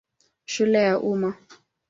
Shule ya Umma.